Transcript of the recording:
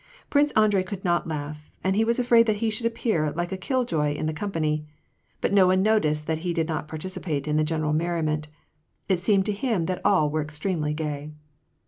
Prince Andrei could not laugh, and he was afraid that he should appear like a kill joy in the company. But no one noticed that he did not par ticipate in the general merriment. It seemed to him that all were extremely gay.